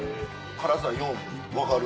辛さよう分かる。